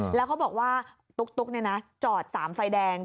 ค่ะแล้วเขาบอกว่าตุ๊กนี่นะจอดสามไฟแดง